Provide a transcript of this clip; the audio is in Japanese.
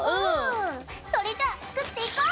それじゃあ作っていこう！